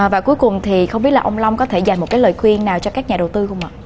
và cuối cùng thì không biết là ông long có thể dành một lời khuyên nào cho các nhà đầu tư không ạ